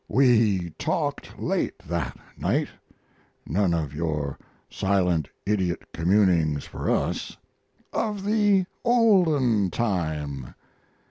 We talked late that night none of your silent idiot "communings" for us of the olden time.